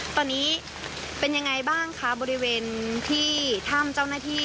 ตอนนี้เป็นยังไงบ้างคะบริเวณที่ถ้ำเจ้าหน้าที่